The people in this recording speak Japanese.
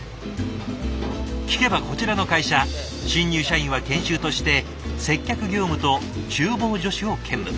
聞けばこちらの会社新入社員は研修として接客業務とちゅう房助手を兼務。